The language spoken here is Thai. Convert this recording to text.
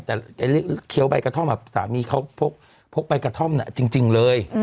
แบรนด์เขียวใบกระท่อมแบบสามีเขาพกใบกระท่อมนะจริงเลย